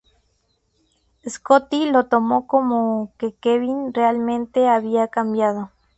Scotty lo tomó como que Kevin realmente había cambiado.